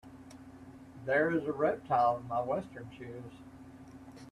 There is a reptile in my western shoes.